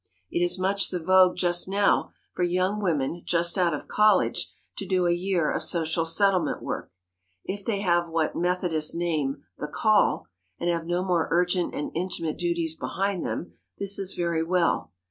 It is much the vogue just now for young women just out of college to do a year of social settlement work. If they have what Methodists name "the call," and have no more urgent and intimate duties behind them, this is very well.